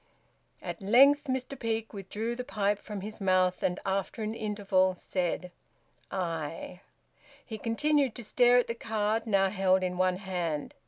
At length Mr Peake withdrew the pipe from his mouth, and after an interval said "Aye!" He continued to stare at the card, now held in one hand.